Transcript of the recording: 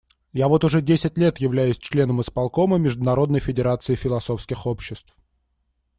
Я вот уже десять лет являюсь членом исполкома Международной федерации философских обществ.